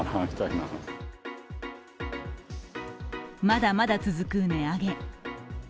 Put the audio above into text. まだまだ続く値上げ。